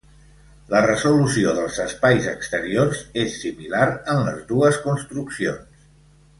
La resolució dels espais exteriors és similar en les dues construccions.